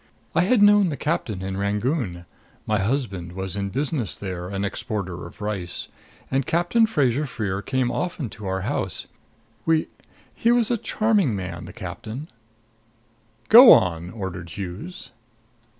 "I had known the captain in Rangoon. My husband was in business there an exporter of rice and Captain Fraser Freer came often to our house. We he was a charming man, the captain " "Go on!" ordered Hughes.